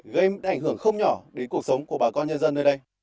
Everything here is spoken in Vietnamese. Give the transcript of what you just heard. gây ảnh hưởng không nhỏ đến cuộc sống của bà con nhân dân nơi đây